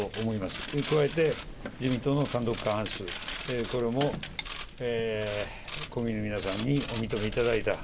それに加えて、自民党の単独過半数、これも国民の皆さんにお認めいただいた。